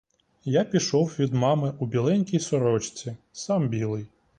Я пішов від мами у біленькій сорочці, сам білий.